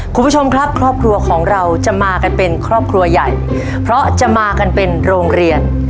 คุณผู้ชมครับครอบครัวของเราจะมากันเป็นครอบครัวใหญ่เพราะจะมากันเป็นโรงเรียน